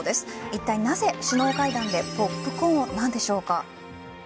いったいなぜ首脳会談でポップコーンなんでしょうか。